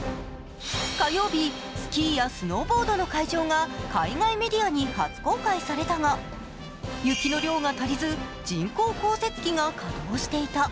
火曜日、スキーやスノーボードの会場が海外メディアに初公開されたが雪の量が足りず人工降雪機が稼働していた。